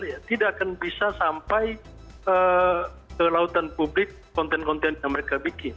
ya tidak akan bisa sampai ke lautan publik konten konten yang mereka bikin